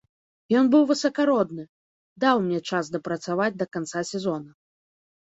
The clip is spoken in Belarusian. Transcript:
Ён быў высакародны, даў мне час дапрацаваць да канца сезона.